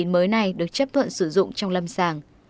bệnh mới này được chấp thuận sử dụng trong lâm sàng